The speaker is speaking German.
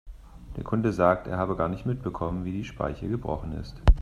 Der Kunde sagt, er habe gar nicht mitbekommen, wie die Speiche gebrochen ist.